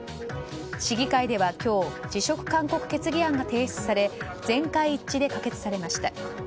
市議会では、今日辞職勧告決議案が提出され全会一致で可決されました。